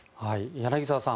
柳澤さん